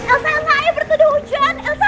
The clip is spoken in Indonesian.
elsa elsa ayo berteduh hujan